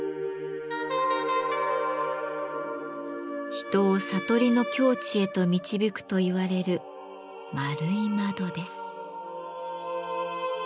人を悟りの境地へと導くといわれる円い窓です。